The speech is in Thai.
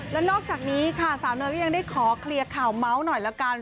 แล้วนอกจากนี้ค่ะสาวเนยก็ยังได้ขอเคลียร์ข่าวเมาส์หน่อยละกัน